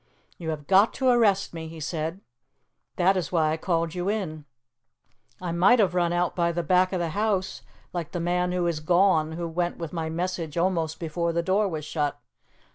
"You have got to arrest me," he said; "that is why I called you in. I might have run out by the back of the house, like the man who is gone, who went with my message almost before the door was shut.